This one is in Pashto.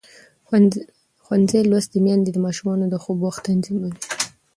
ښوونځې لوستې میندې د ماشومانو د خوب وخت تنظیموي.